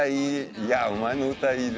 「いやお前の歌いいぜ」